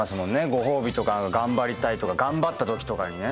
ご褒美とか頑張りたいとか頑張ったときとかにね。